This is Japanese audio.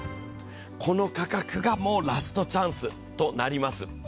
この価格が、もうラストチャンスとなります。